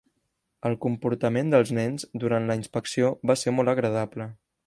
El comportament dels nens durant la inspecció va ser molt agradable.